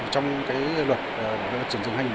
trong các hội thảo quốc gia